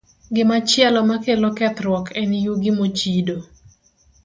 Gimachielo makelo kethruok en yugi mochido.